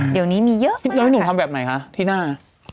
เดี๋ยวนี้มีเยอะมากแล้วพี่หนูทำแบบไหนคะที่หน้า